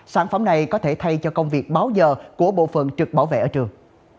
sản phẩm này có thể thay cho công việc báo giờ của bộ phận trực bảo vệ ở trường